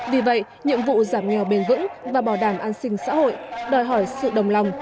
vì vậy nhiệm vụ giảm nghèo bền vững và bảo đảm an sinh xã hội đòi hỏi sự đồng lòng